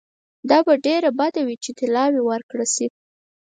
دا به ډېره بده وي چې طلاوي ورکړه شي.